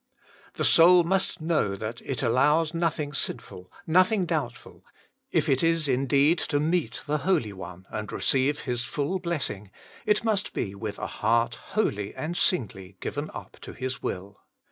The soul must know that it allows nothing sinful, nothing doubtful ; if it is indeed to meet the Holy One, and receive His full blessing, it must be with a heart wholly and singly given up to ffis will.